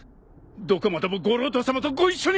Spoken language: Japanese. どこまでも五郎太さまとご一緒に！